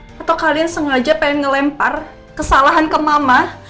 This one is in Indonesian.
atau kalian sengaja pengen ngelempar kesalahan ke mama